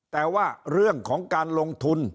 แต่ว่าเรื่องของการลงทุน